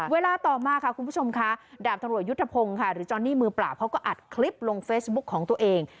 เวลาต่อมาค่ะคุณผู้ชมค่ะดาบตำรวจยุทธพงศ์ค่ะหรือจอนนี่มือเปล่าเขาก็อัดคลิปลงเฟซบุ๊คของตัวเอง